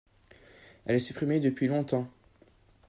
Elle est supprimée depuis longtemps.